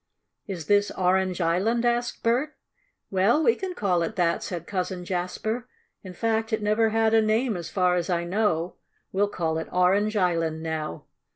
"Is this Orange Island?" asked Bert. "Well, we can call it that," said Cousin Jasper. "In fact it never had a name, as far as I know. We'll call it Orange Island now."